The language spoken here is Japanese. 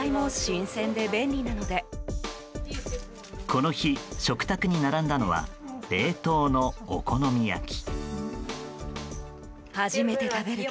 この日、食卓に並んだのは冷凍のお好み焼き。